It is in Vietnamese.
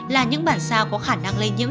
là những bản sao có khả năng lây nhiễm